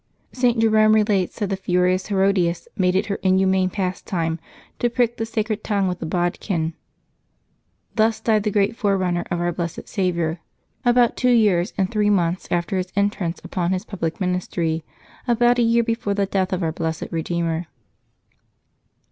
St. Jerome relates that the furious Herodias made it her inhuman pastime to prick the sacred tongue with a bodkin. Thus died the great forerunner of our blessed Saviour, about two years and three months after his entrance upon his public ministry, about a year before the death of our blessed Eedeemer.